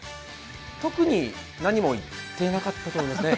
特に何も言っていなかったと思いますね。